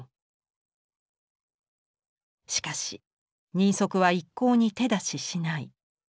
しかし人足は一向に手出ししない。